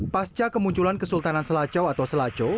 pasca kemunculan kesultanan selacau atau selaco